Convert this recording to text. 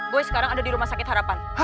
gue sekarang ada di rumah sakit harapan